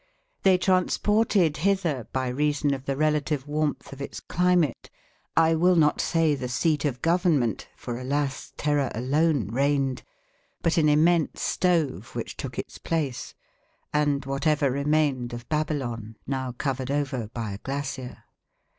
They transported hither by reason of the relative warmth of its climate, I will not say the seat of Government for, alas! Terror alone reigned but an immense stove which took its place, and whatever remained of Babylon now covered over by a glacier.